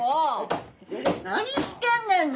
何してんねんよ